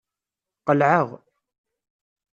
Qelɛeɣ.